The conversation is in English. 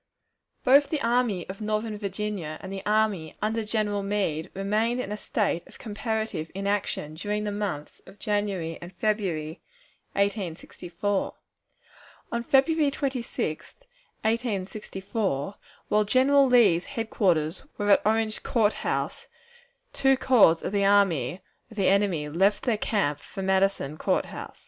Both the Army of Northern Virginia and the army under General Meade remained in a state of comparative inaction during the months of January and February, 1864. On February 26, 1864, while General Lee's headquarters were at Orange Court House, two corps of the army of the enemy left their camp for Madison Court House.